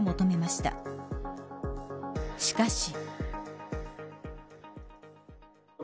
しかし。